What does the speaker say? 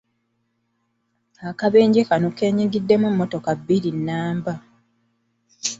Akabenje kano keenyigiddemu emmotoka bbiri nnamba.